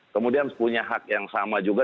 kemudian punya hak yang sama juga